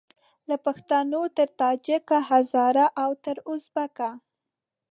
له پښتونه تر تاجیکه هزاره او تر اوزبیکه